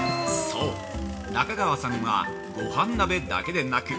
◆そう、中川さんはごはん鍋だけでなく